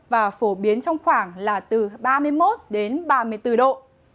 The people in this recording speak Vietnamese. và phổ biến trong khoảng là từ ba mươi một đến ba mươi bốn độ